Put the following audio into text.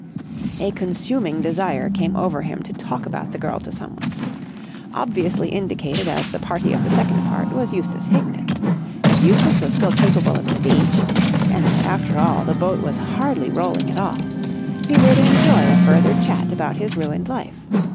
A consuming desire came over him to talk about the girl to someone. Obviously indicated as the party of the second part was Eustace Hignett. If Eustace was still capable of speech—and after all the boat was hardly rolling at all—he would enjoy a further chat about his ruined life.